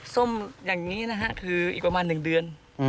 ส้มอย่างนี้นะฮะคืออีกประมาณ๑เดือน